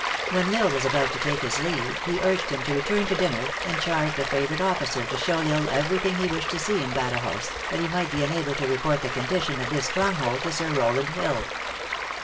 When L Isle was about to take his leave, he urged him to return to dinner, and charged a favorite officer to show L Isle everything he wished to see in Badajos, that he might be enabled to report the condition of this stronghold to Sir Rowland Hill.